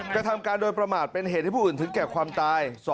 กระทำการโดยประมาทเป็นเหตุให้ผู้อื่นถึงแก่ความตาย